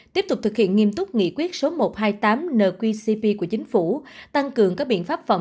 tiếp tục thực hiện nghiêm túc nghị quyết số một trăm hai mươi tám nqcp của chính phủ tăng cường các biện pháp phòng